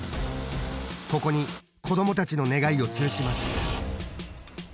ここに子どもたちの願いをつるします。